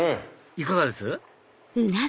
いかがです？